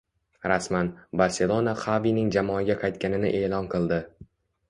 Rasman: Barselona Xavining jamoaga qaytganini e’lon qildi